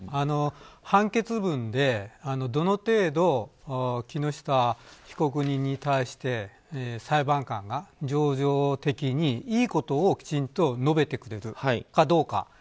判決文でどの程度、木下被告人に対して裁判官が情状的にいいことをきちんと述べてくれるかどうか。